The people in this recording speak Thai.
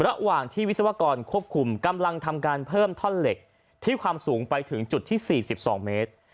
ระหว่างที่วิศวกรควบคุมกำลังทำการเพิ่มท่อนเหล็กที่ความสูงไปถึงจุดที่๔๒เมตร